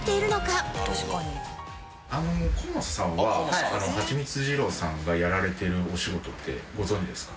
河本さんはハチミツ二郎さんがやられてるお仕事ってご存じですか？